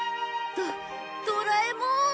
ドドラえもん。